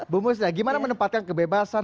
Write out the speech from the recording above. bapak musda bagaimana menempatkan kebebasan